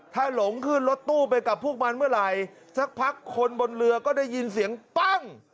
ถ้าหลงขึ้นรถตู้ไปกับพวกมันเมื่อไหร่สักพักคนบนเรือก็ได้ยินเสียงปั้ง